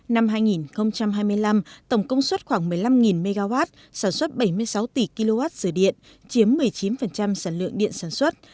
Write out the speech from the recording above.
năm hai nghìn hai mươi năm tổng công suất khoảng một mươi năm mw sản xuất bảy mươi sáu tỷ kwh dừa điện chiếm một mươi chín sản lượng điện sản xuất